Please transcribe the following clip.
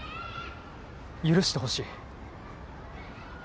許してほしい。